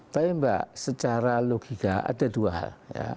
tapi mbak secara logika ada dua hal ya